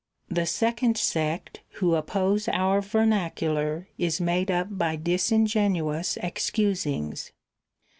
ii. The second sect who oppose our vernacular is made up by disingenuous excusings.